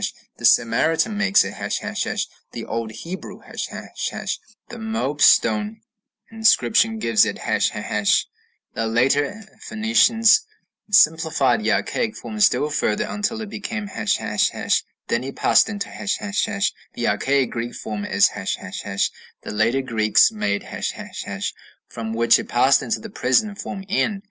The Samaritan makes it ###; the old Hebrew ###; the Moab stone inscription gives it ###; the later Phoenicians simplified the archaic form still further, until it became ###; then it passed into ###: the archaic Greek form is ###; the later Greeks made ###, from which it passed into the present form, N.